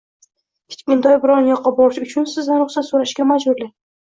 Kichkintoy biron yoqqa borish uchun sizdan ruxsat so‘rashiga majburlang.